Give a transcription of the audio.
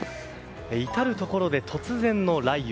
至るところで突然の雷雨。